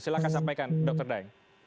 silahkan sampaikan dr daeng